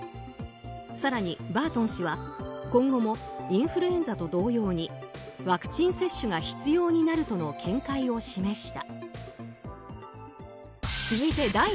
更に、バートン氏は今後もインフルエンザと同様にワクチン接種が必要になるとの見解を示した。